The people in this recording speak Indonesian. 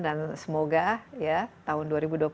dan semoga tahun dua ribu dua puluh tiga